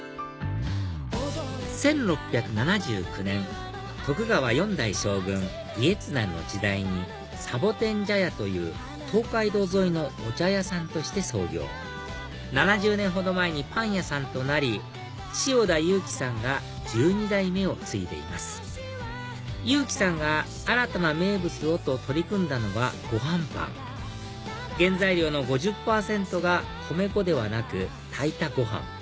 １６７９年徳川４代将軍家綱の時代に覇王樹茶屋という東海道沿いのお茶屋さんとして創業７０年ほど前にパン屋さんとなり塩田悠樹さんが１２代目を継いでいます悠樹さんが新たな名物をと取り組んだのはごはんパン原材料の５０％が米粉ではなく炊いたご飯